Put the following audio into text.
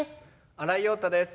新井庸太です。